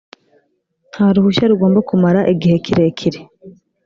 nta ruhushya rugomba kumara igihe kirekire